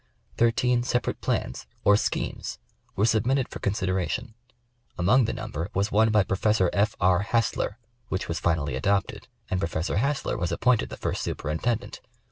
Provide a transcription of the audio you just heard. Thirteen separate plans, or schemes, were submitted for consideration ; among the number was one by Professor F, R. Hassler, which was finally adopted, and Professor Hassler was appointed the first superintendent.